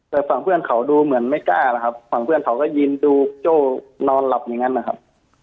แต่ฝั่งเพื่อนเขาดูเหมือนไม่กล้านะครับฝั่งเพื่อนเขาก็ยืนดูโจ้นอนหลับอย่างนั้นนะครับ